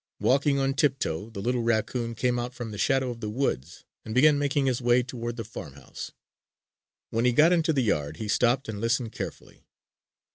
Walking on tiptoe, the little raccoon came out from the shadow of the woods, and began making his way toward the farmhouse. When he got into the yard, he stopped and listened carefully.